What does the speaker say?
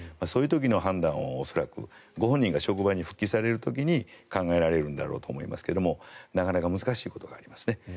そういう時の判断を恐らく、ご本人が職場に復帰される時に考えられるんだと思いますけどなかなか難しいところがありますね。